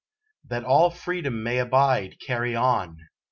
That all freedom may abide Carry on!